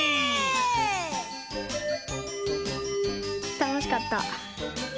たのしかった。